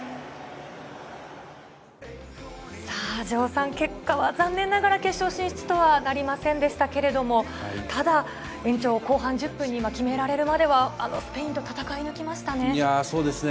さあ、城さん、結果は残念ながら、決勝進出とはなりませんでしたけれども、ただ、延長後半１０分に決められるまでは、あのスペインと戦い抜きましそうですね、